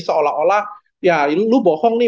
seolah olah ya ini lu bohong nih